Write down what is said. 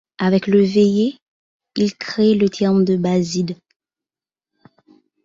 Avec Leveillé, ils créent le terme de baside.